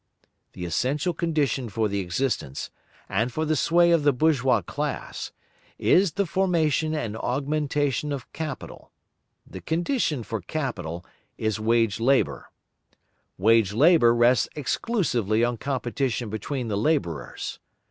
The essential condition for the existence, and for the sway of the bourgeois class, is the formation and augmentation of capital; the condition for capital is wage labour. Wage labour rests exclusively on competition between the laborers.